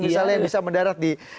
misalnya bisa mendarat di